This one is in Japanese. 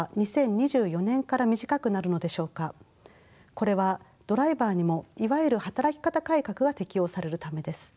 これはドライバーにもいわゆる働き方改革が適用されるためです。